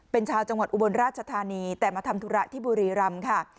เป็นชาวจังหวัดอุบลราชธานีแต่มาทำธุระที่บุรีรำค่ะ